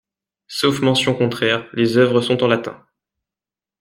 Sauf mention contraire, les œuvres sont en latin.